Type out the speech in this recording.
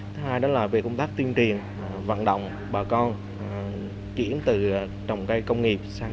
thứ hai đó là về công tác tuyên truyền vận động bà con